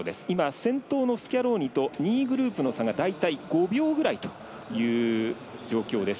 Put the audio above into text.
先頭のスキャローニと２位グループの差が大体５秒ぐらいという状況です。